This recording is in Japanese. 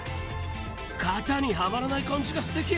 型にはまらない感じがすてき。